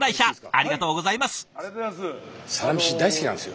ありがとうございます。